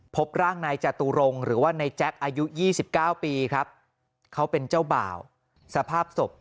พบร่างนายจตุรงค์หรือว่านายแจ๊คอายุ๒๙ปีครับเขาเป็นเจ้าบ่าวสภาพศพ